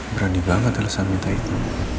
berani banget ya alasan minta itu